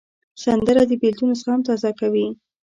سندره د بېلتون زخم تازه کوي